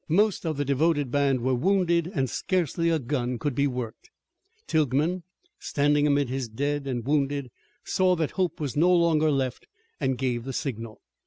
Most of the devoted band were wounded and scarcely a gun could be worked. Tilghman, standing amid his dead and wounded, saw that hope was no longer left, and gave the signal.